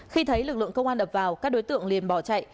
khi thấy lực lượng công an ập vào các đối tượng liền bỏ chạy